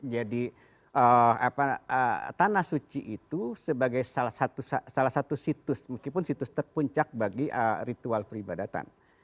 jadi tanah suci itu sebagai salah satu situs meskipun situs terpuncak bagi ritual peribadatan